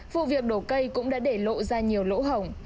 vụ việc đổ cây cũng đã để lộ ra nhiều lỗ hỏng